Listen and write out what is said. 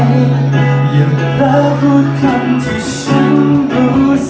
อย่างเวลาพูดคำที่ฉันรู้สึก